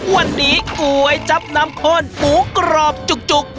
วันนี้ก๋วยจับน้ำข้นหมูกรอบจุก